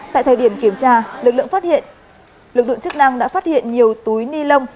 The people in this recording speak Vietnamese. tại thời điểm kiểm tra lực lượng phát hiện lực lượng chức năng đã phát hiện nhiều túi ni lông